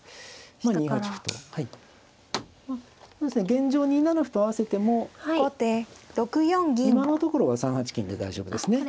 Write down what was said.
まあ現状２七歩と合わせても今のところは３八金で大丈夫ですね。